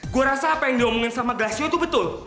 gue rasa apa yang diomongin sama gasnya itu betul